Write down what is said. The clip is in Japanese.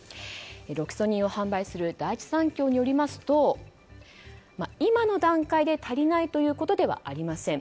ロキソニンを販売する第一三共によりますと今の段階で足りないということではありません。